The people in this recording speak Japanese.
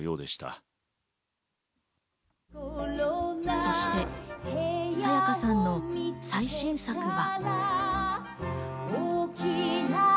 そして沙也加さんの最新作は。